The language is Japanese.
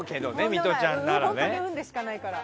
ミトちゃんなら。